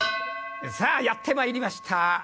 さぁやってまいりました。